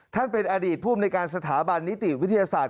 ท่านเป็นอดีตภูมิในการสถาบันนิติวิทยาศาสตร์